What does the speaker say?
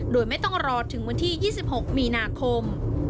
โดยไม่ต้องรอถึงวันที่๒๖มีนาคม